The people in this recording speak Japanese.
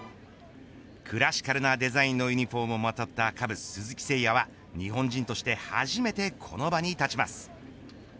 クラシカルなデザインのユニホームをまとったカブス、鈴木誠也は日本人として初めてこの場に立ちます。